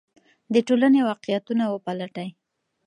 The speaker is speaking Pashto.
د ټولنې واقعیتونه وپلټئ.